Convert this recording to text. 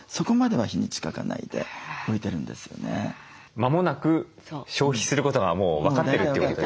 間もなく消費することがもう分かってるということですね。